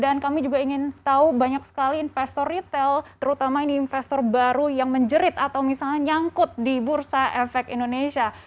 dan kami juga ingin tahu banyak sekali investor retail terutama investor baru yang menjerit atau misalnya nyangkut di bursa efek indonesia